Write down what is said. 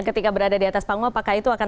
ketika berada di atas panggung apakah itu akan